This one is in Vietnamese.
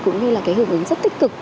cũng như là cái hưởng ứng rất tích cực